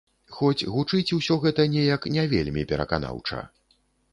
Хоць гучыць усё гэта неяк не вельмі пераканаўча.